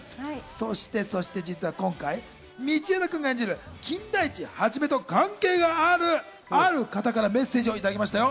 そして、そして今回、道枝君が演じる金田一一とも関係があるある方からメッセージをいただきましたよ。